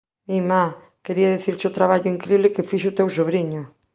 Mi ma, quería dicirche o traballo incrible que fixo o teu sobriño